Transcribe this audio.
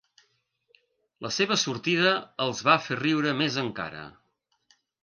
La seva sortida els va fer riure més encara.